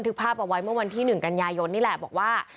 ภาพเอาไว้เมื่อวันที่๑กันยายนนี่แหละบอกว่า